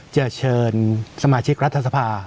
จะเชิญสมาชิกรัฐสภา